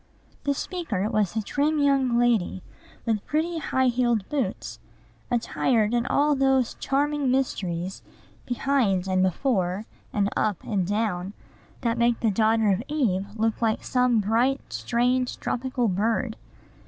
The speaker was a trim young lady, with pretty, high heeled boots, attired in all those charming mysteries behind and before, and up and down, that make the daughter of Eve look like some bright, strange, tropical bird.